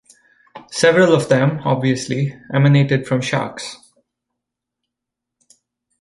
Several of them obviously emanated from sharks.